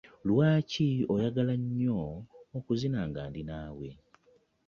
Lwaki oyagala nnyo okuzina nga ndi naawe?